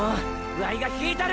ワイが引いたる！！